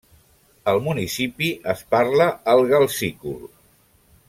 Al municipi es parla el gal-sícul.